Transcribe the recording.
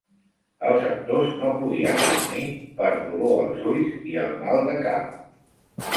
Els actors no podien dormir per dolor als ulls i el mal de cap.